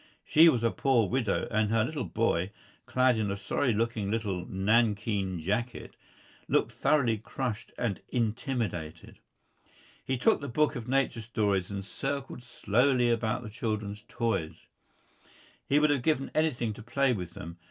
She was a poor widow, and her little boy, clad in a sorry looking little nankeen jacket, looked thoroughly crushed and intimidated. He took the book of nature stories and circled slowly about the children's toys. He would have given anything to play with them.